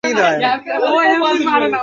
কথা দাও যে আমার প্রতিটা কথা বিশ্বাস করবে?